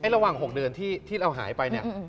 ระหว่าง๖เดือนที่เราหายไปเนี่ย